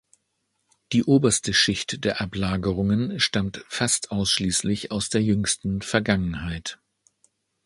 Die oberste Schicht der Ablagerungen stammt fast ausschließlich aus der jüngsten Vergangenheit.